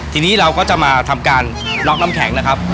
ทีนี้เราก็จะมาทำการน็อกน้ำแข็งนะครับ